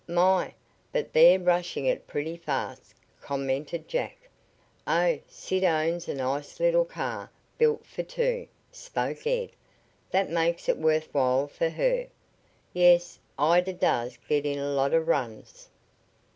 "My, but they're rushing it pretty fast!" commented Jack. "Oh, Sid owns a nice little car built for two," spoke Ed. "That makes it worth while for her." "Yes, Ida does get in a lot of runs."